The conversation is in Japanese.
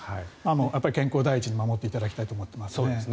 健康第一に守っていただきたいと思っています。